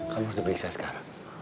kamu harus diperiksa sekarang